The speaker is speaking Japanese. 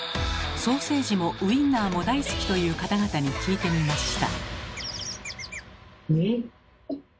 ソーセージもウインナーも大好きという方々に聞いてみました。